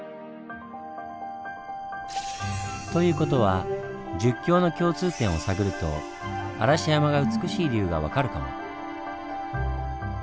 という事は十境の共通点を探ると嵐山が美しい理由が分かるかも。